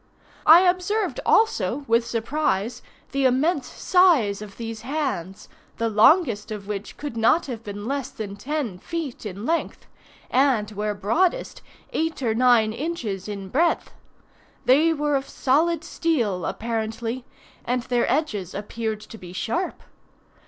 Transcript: I observed also, with surprise, the immense size of these hands, the longest of which could not have been less than ten feet in length, and, where broadest, eight or nine inches in breadth. They were of solid steel apparently, and their edges appeared to be sharp.